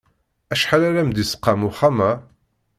Acḥal ara m-d-isqam uxxam-a?